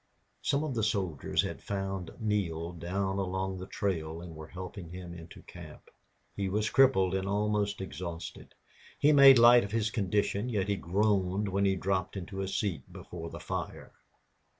Some of the soldiers had found Neale down along the trail and were helping him into camp. He was crippled and almost exhausted. He made light of his condition, yet he groaned when he dropped into a seat before the fire.